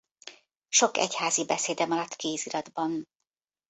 Sok egyházi beszéde maradt kéziratban.